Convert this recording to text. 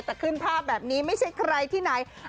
แต่ขึ้นภาพแบบนี้ไม่ใช่ใครที่ไหน